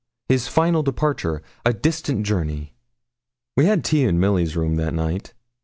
His final departure! a distant journey! We had tea in Milly's room that night.